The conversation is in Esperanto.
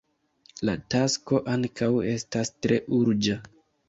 La tasko ankaŭ estas tre urĝa.